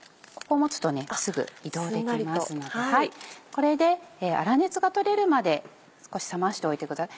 これで粗熱が取れるまで少し冷ましておいてください。